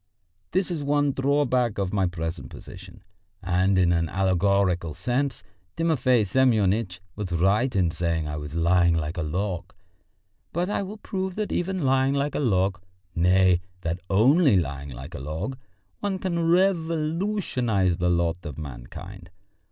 This is the one drawback of my present position, and in an allegorical sense Timofey Semyonitch was right in saying I was lying like a log. But I will prove that even lying like a log nay, that only lying like a log one can revolutionise the lot of mankind.